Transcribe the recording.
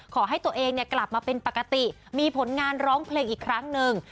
ขอให้ตัวเองกลับมาเป็นปกติมีผลงานร้องเพลงอีกครั้งหนึ่ง